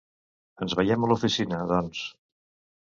Ens veiem a l'oficina, doncs.